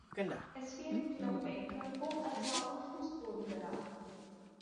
Es fehlten jedoch Bänke, Hochaltar und Fußbodenbelag.